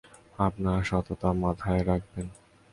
আপনার সততাকে মাথায় রাখবেন।